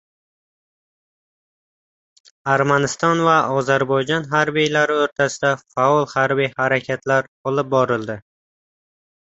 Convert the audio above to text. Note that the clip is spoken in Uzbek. Armaniston va Ozarboyjon harbiylari o‘rtasida faol harbiy harakatlar olib borildi.